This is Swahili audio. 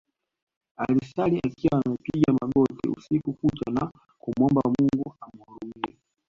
Alisali akiwa amepiga magoti usiku kucha na kumuomba Mungu amhurumie